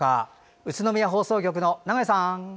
宇都宮放送局の長井さん。